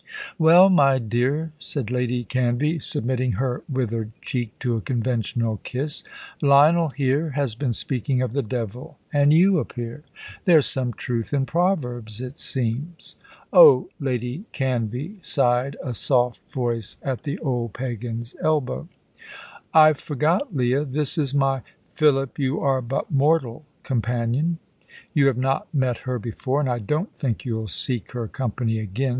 "Well, my dear," said Lady Canvey, submitting her withered cheek to a conventional kiss. "Lionel, here, has been speaking of the devil, and you appear. There's some truth in proverbs, it seems." "Oh, Lady Canvey," sighed a soft voice at the old pagan's elbow. "I forgot, Leah, this is my 'Philip you are but mortal' companion. You have not met her before, and I don't think you'll seek her company again.